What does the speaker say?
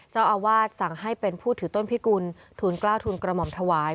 เจ้าอาวาสสั่งให้เป็นผู้ถือต้นพิกุลทูลกล้าวทุนกระหม่อมถวาย